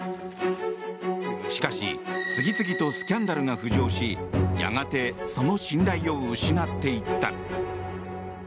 しかし、次々とスキャンダルが浮上しやがて、その信頼を失っていった。